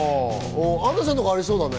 アンナさんとかありそうだね。